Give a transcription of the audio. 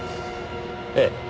ええ。